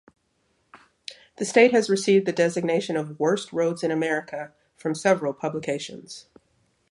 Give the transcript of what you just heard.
The state has received the designation of "worst roads in America" from several publications.